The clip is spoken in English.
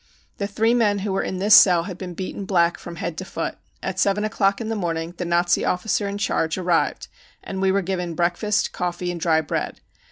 The three men who were in this cell had been beaten black from head to foot. At seven o'clock in the morning the Nazi officer in charge arrived and we were given breakfast, coffee and dry bread.